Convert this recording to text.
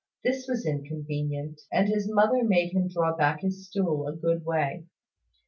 This was inconvenient; and his mother made him draw back his stool a good way.